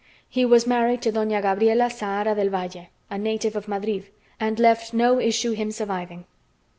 He was married to Doña Gabriela Zahara del Valle, a native of Madrid, and left no issue him surviving."